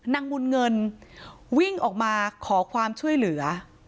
นางบุญเงินวิ่งออกมาขอความช่วยเหลือ